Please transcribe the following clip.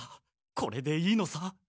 これでいいのさ。